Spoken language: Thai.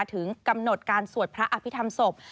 ถึงกำหนดการสวดพระอภิษฐรรมศพ